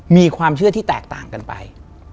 มีความเชื่อที่แตกต่างกันไป